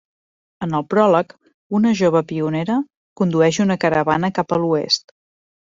En el pròleg, una jove pionera condueix una caravana cap a l’Oest.